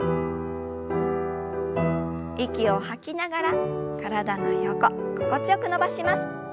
息を吐きながら体の横心地よく伸ばします。